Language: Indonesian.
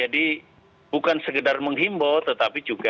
jadi bukan sekedar menghimbau tetapi juga